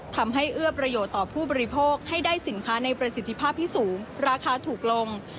เอื้อประโยชน์ต่อผู้บริโภคให้ได้สินค้าในประสิทธิภาพที่สูงราคาถูกลง